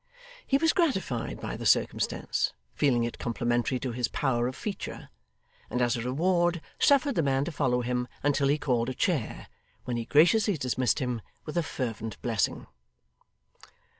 He was gratified by the circumstance, feeling it complimentary to his power of feature, and as a reward suffered the man to follow him until he called a chair, when he graciously dismissed him with a fervent blessing.